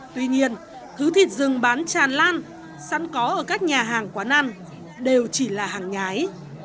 tuy nhiên thứ thịt dừng bán tràn lan sẵn có ở các nhà hàng quán ăn đều chỉ là hàng nhái